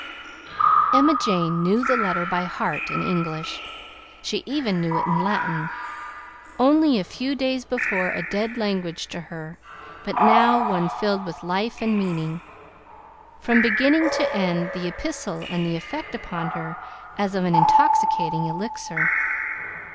Emma Jane knew the letter by heart in English. She even knew it in Latin, only a few days before a dead language to her, but now one filled with life and meaning. From beginning to end the epistle had the effect upon her as of an intoxicating elixir.